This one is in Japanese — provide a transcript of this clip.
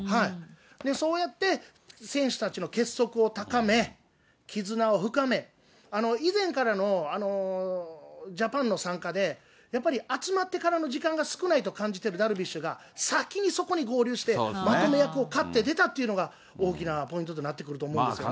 そうやって、選手たちの結束を高め、絆を深め、以前からのジャパンの参加で、やっぱり集まってからの時間が少ないと感じているダルビッシュが先にそこに合流して、まとめ役を買って出たっていうのが、大きなポイントとなってくると思うんですよね。